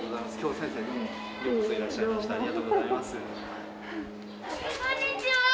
こんにちは。